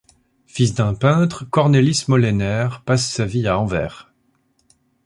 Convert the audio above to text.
Fils d'un peintre Cornelis Moleaner passe sa vie à Anvers.